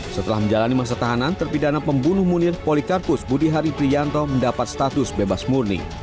setelah menjalani masa tahanan terpidana pembunuh munir polikarpus budihari prianto mendapat status bebas murni